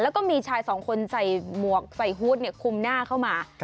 แล้วก็มีชายสองคนใส่หมวกใส่ฮูตคุมหน้าเข้ามา